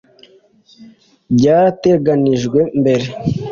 byarateganijwe mbere.